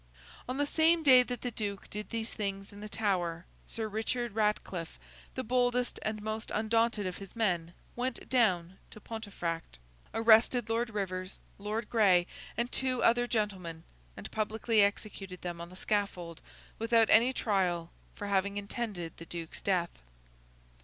On the same day that the Duke did these things in the Tower, Sir Richard Ratcliffe, the boldest and most undaunted of his men, went down to Pontefract; arrested Lord Rivers, Lord Gray, and two other gentlemen; and publicly executed them on the scaffold, without any trial, for having intended the Duke's death.